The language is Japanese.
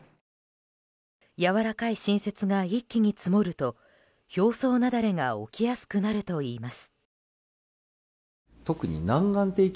やわらかい新雪が一気に積もると表層雪崩が起きやすくなるといいます。